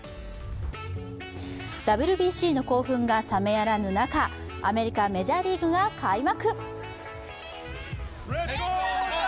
ＷＢＣの興奮が冷めやらぬ中、アメリカ・メジャーリーグが開幕。